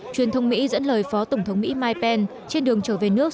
truyền thông mỹ dẫn lời phó tổng thống mỹ mike pen trên đường trở về nước